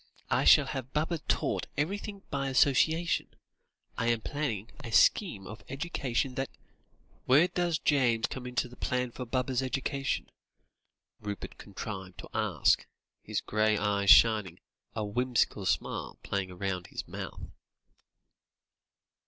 I shall have Baba taught everything by association. I am planning a scheme of education that " "Where does James come in to the plan for Baba's education?" Rupert contrived to ask, his grey eyes shining, a whimsical smile playing round his mouth.